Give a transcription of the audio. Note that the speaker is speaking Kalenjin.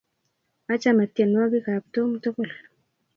achame tienwokik ab Tom tokol